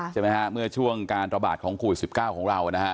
ใช่ไหมฮะเมื่อช่วงการระบาดของโควิด๑๙ของเรานะฮะ